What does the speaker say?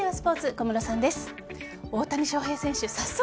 小室さんです。